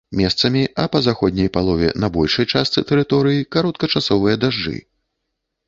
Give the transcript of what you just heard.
Месцамі, а па заходняй палове на большай частцы тэрыторыі, кароткачасовыя дажджы.